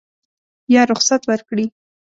یا رخصت ورکړي.